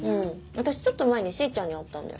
私ちょっと前にしーちゃんに会ったんだよ。